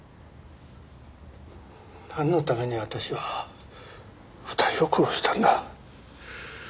なんのために私は２人を殺したんだ。